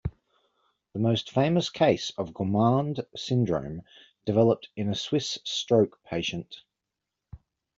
The most famous case of gourmand syndrome developed in a Swiss stroke patient.